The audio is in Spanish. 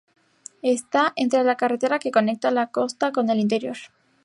Está entre la carretera que conecta la costa con el interior.